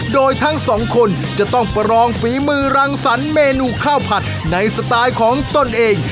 โดยทั้งสองคนจะต้องประรองฝีมือรังสรรค์เมนูข้าวผัดในสไตล์ของตนเอง